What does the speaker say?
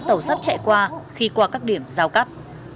tàu sắt chạy qua khi qua các điểm giao cắt